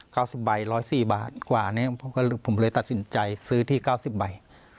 สิบใบร้อยสี่บาทกว่าเนี้ยผมก็เลยผมเลยตัดสินใจซื้อที่เก้าสิบใบ